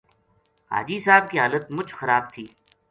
حاجی صاحب کی حالت مُچ خراب تھی